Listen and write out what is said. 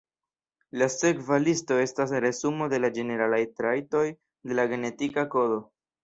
La sekva listo estas resumo de la ĝeneralaj trajtoj de la genetika kodo.